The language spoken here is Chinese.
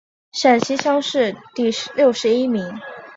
陕西乡试第六十一名。